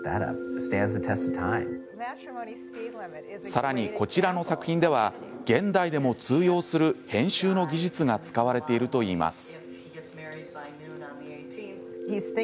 さらに、こちらの作品では現代でも通用する編集の技術が使われているといいます。